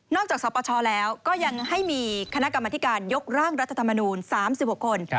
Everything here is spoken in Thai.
จากสปชแล้วก็ยังให้มีคณะกรรมธิการยกร่างรัฐธรรมนูล๓๖คน